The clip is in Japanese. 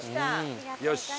よし！